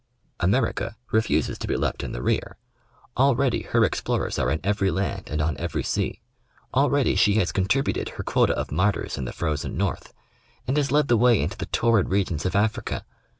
America refuses to be left in the rear. Already her explorers are in every land and on every sea. Already she has contributed her quota of martyrs in the frozen north, and has led the way into the torrid regions of Africa.